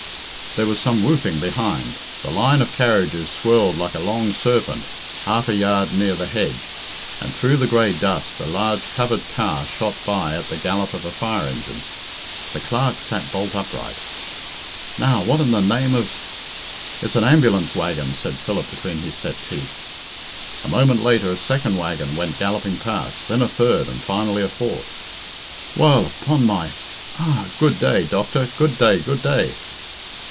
There was some whooping behind; the line of carriages swirled like a long serpent half a yard near the hedge, and through the grey dust a large covered car shot by at the gallop of a fire engine. The Clerk sat bolt upright. "Now, what in the name of " "It's an ambulance waggon," said Philip between his set teeth. A moment later a second waggon went galloping past, then a third, and finally a fourth. "Well, upon my Ah! good day. Doctor! Good day, good day!"